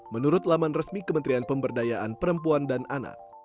menurut laman resmi kementerian pemberdayaan perempuan dan anak